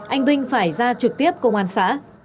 anh vinh phải ra trực tiếp công an xã